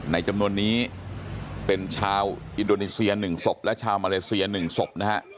ในจำนวนนี้เป็นชาวอินโดนีเซีย๑ศพและชาวมาเลเซีย๑ศพนะฮะ